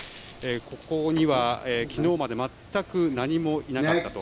ここには昨日まで全く何もいなかったと。